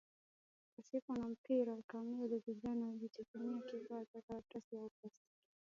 Pasipo na mpira kamili vijana hujitengenezea kifaa kwa karatasi au plastiki